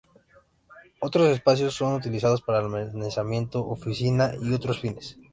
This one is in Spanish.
Otros espacios son utilizados para almacenamiento, oficinas y otros fines.